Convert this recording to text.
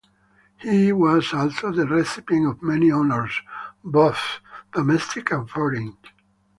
He was also the recipient of many honours, both domestic and foreign.